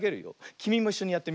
きみもいっしょにやってみようね。